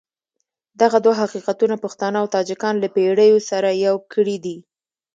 دغه دوه حقیقتونه پښتانه او تاجکان له پېړیو سره يو کړي دي.